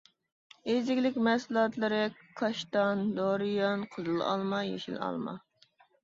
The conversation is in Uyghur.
يېزا ئىگىلىك مەھسۇلاتلىرى كاشتان، دۇريان، قىزىل ئالما، يېشىل ئالما.